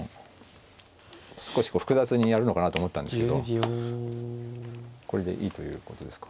少しこう複雑にやるのかなと思ったんですけどこれでいいということですか。